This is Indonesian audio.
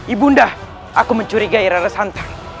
ibunda aku mencurigai rana santan